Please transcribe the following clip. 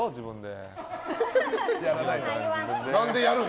何でやるん。